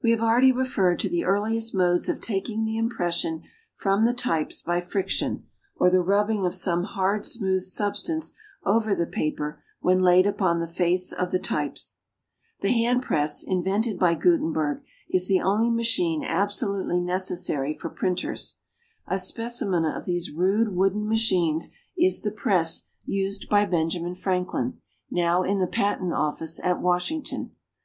We have already referred to the earliest modes of taking the impression from the types by friction, or the rubbing of some hard smooth substance over the paper when laid upon the face of the types. The hand press invented by Gutenberg is the only machine absolutely necessary for printers. A specimen of these rude wooden machines is the press used by Benjamin Franklin, now in the Patent Office at Washington.